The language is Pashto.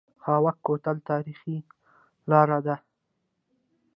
خاوک کوتل تاریخي لاره ده؟